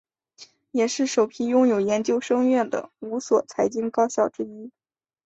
也是首批拥有研究生院的五所财经高校之一。